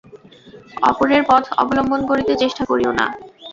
অপরের পথ অবলম্বন করিতে চেষ্টা করিও না।